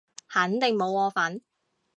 肯定冇我份